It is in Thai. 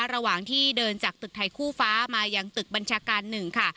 ระหว่างที่เดินจากตึกไทยคู่ฟ้ามายังตึกบัญชาการหนึ่งค่ะ